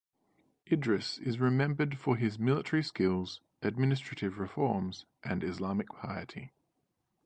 Idris is remembered for his military skills, administrative reforms and Islamic piety.